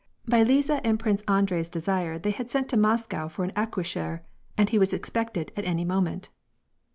By Liza and Prince Andrei's desire they had sent to Moscow for an accoucheur^ and he was expected at any moment.